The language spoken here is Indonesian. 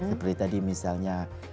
seperti tadi misalnya